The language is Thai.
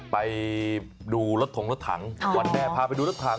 ไปดูรถถงรถถังวันแม่พาไปดูรถถัง